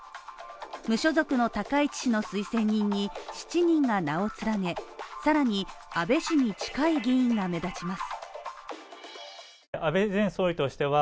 無所属の高市氏の推薦人に７人が名を連ね更に、安倍氏に近い議員が目立ちます。